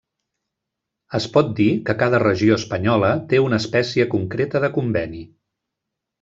Es pot dir que cada regió espanyola té una espècie concreta de conveni.